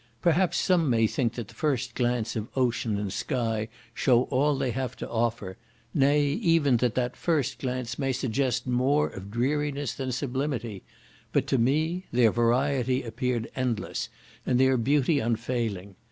Perhaps some may think that the first glance of ocean and of sky shew all they have to offer; nay, even that that first glance may suggest more of dreariness than sublimity; but to me, their variety appeared endless, and their beauty unfailing.